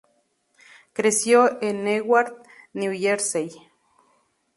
Creció en Newark, New Jersey.